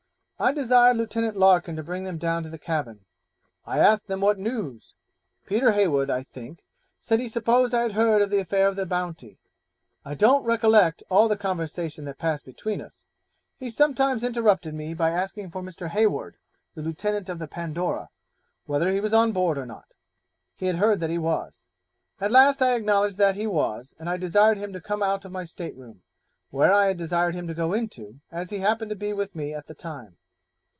I desired Lieutenant Larkin to bring them down to the cabin. I asked them what news; Peter Heywood, I think, said he supposed I had heard of the affair of the Bounty. I don't recollect all the conversation that passed between us; he sometimes interrupted me by asking for Mr. Hayward, the lieutenant of the Pandora, whether he was on board or not he had heard that he was; at last I acknowledged that he was, and I desired him to come out of my state room, where I had desired him to go into, as he happened to be with me at the time.